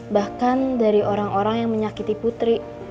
bahkan dari orang orang yang menyakiti putri